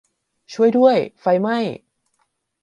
ช่วยด้วย ! ไฟไหม้ !